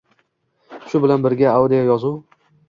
Shu bilan birga, audio yozuv J